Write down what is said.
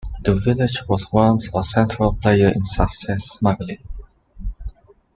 The village was once a central player in Sussex smuggling.